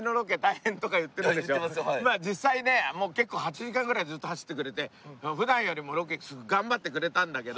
まあ実際ね結構８時間ぐらいずっと走ってくれて普段よりもロケ頑張ってくれたんだけど。